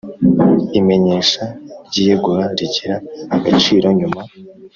Imenyesha ry iyegura rigira agaciro nyuma